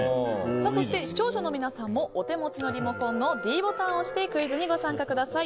そして、視聴者の皆さんもお手持ちのリモコンのｄボタンを押してクイズにご参加ください。